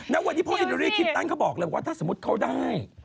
ณวันนี้พวกซิโนรีคลินตันเขาบอกเลยว่าถ้าสมมุติเขาได้